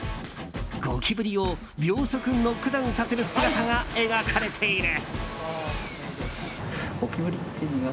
ゴキブリを秒速ノックダウンさせる姿が描かれている。